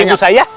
punya ibu saya